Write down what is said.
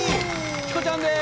チコちゃんです。